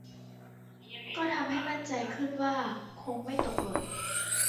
ก็ทำให้มั่นใจขึ้นว่าคงไม่ตกหล่น